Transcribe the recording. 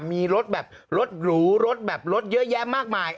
มีรถแบบรถหรูรถแบบรถเยอะแยะมากมาย